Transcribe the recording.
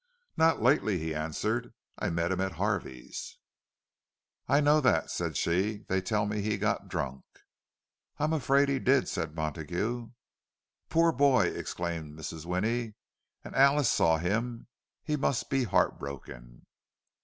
"Not lately," he answered; "I met him at Harvey's." "I know that," said she. "They tell me he got drunk." "I'm afraid he did," said Montague. "Poor boy!" exclaimed Mrs. Winnie. "And Alice saw him! He must be heartbroken!"